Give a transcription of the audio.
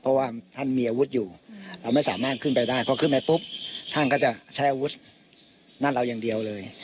เพราะว่าท่านมีอาวุธอยู่เราไม่สามารถขึ้นไปได้เพราะขึ้นไปปุ๊บท่านก็จะใช้อาวุธนั่นเราอย่างเดียวเลย